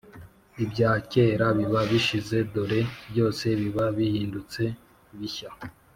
ibya kera biba bishize, dore byose biba bihindutse bishya.